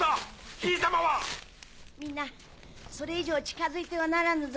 ヒイ様は⁉・皆それ以上近づいてはならぬぞ。